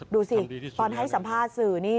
ดูสิตอนให้สัมภาษณ์สื่อนี่